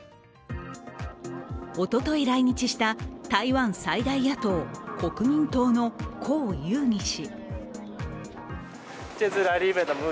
おととい来日した台湾最大野党、国民党の侯友宜氏。